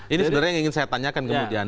ini sebenarnya yang ingin saya tanyakan kemudian